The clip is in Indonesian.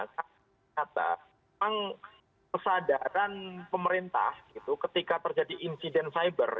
karena memang kesadaran pemerintah ketika terjadi insiden cyber